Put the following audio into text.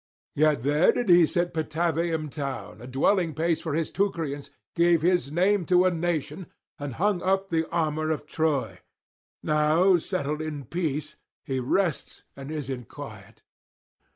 Yet here did he set Patavium town, a dwelling place for his Teucrians, gave his name to a nation and hung up the armour of Troy; now settled in peace, he rests and is in quiet.